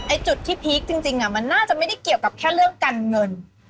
จุดที่พีคจริงมันน่าจะไม่ได้เกี่ยวกับแค่เรื่องการเงิน